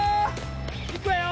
いくわよ。